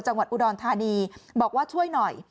จังหวัดอุดรธานีบอกว่าช่วยหน่อย